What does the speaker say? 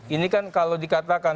ini kan kalau dikatakan